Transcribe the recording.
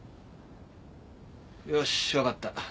よしわかった。